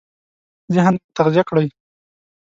ذهن مو تغذيه کړئ!